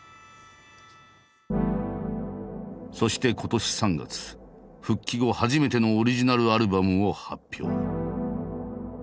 そして今年３月復帰後初めてのオリジナルアルバムを発表。